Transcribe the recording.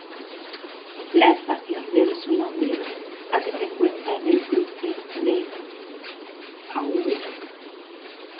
La estación debe su nombre a que se encuentra en el cruce de "Av.